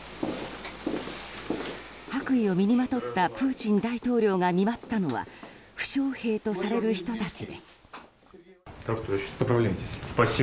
白衣を身にまとったプーチン大統領が見舞ったのは負傷兵とされる人たちです。